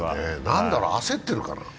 何だろ、焦ってるかな。